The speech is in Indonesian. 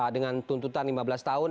dengan tuntutan lima belas tahun